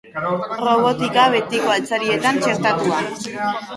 Robotika betiko altzarietan txertatua.